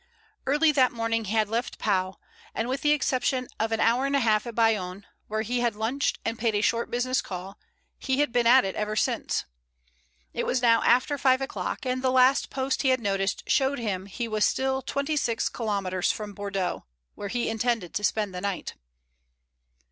Early that morning he had left Pau, and with the exception of an hour and a half at Bayonne, where he had lunched and paid a short business call, he had been at it ever since. It was now after five o'clock, and the last post he had noticed showed him he was still twenty six kilometers from Bordeaux, where he intended to spend the night.